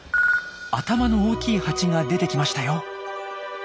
頭の大きいハチが出てきましたよ。